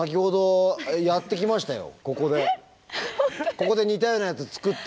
ここで似たようなやつ作って。